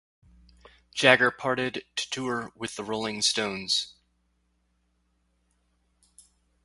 Jagger parted to tour with the Rolling Stones.